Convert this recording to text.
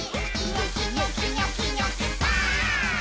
「ニョキニョキニョキニョキバーン！」